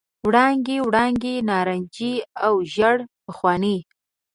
وړانګې، وړانګې نارنجي او ژړ بخونې،